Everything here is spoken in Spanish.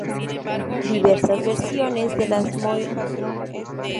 Diversas versiones de las Moiras existieron en los niveles mitológicos europeos más antiguos.